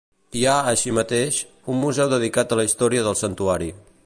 Hi ha, així mateix, un museu dedicat a la història del santuari.